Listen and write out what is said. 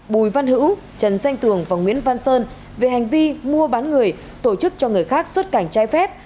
bùi văn hữu trần danh tường và nguyễn văn sơn về hành vi mua bán người tổ chức cho người khác xuất cảnh trái phép